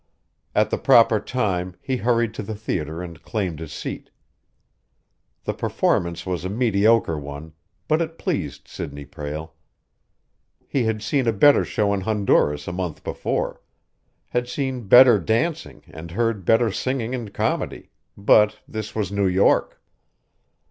At the proper time, he hurried to the theater and claimed his seat. The performance was a mediocre one, but it pleased Sidney Prale. He had seen a better show in Honduras a month before, had seen better dancing and heard better singing and comedy, but this was New York!